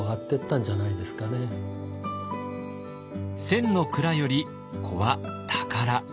千の蔵より子は宝。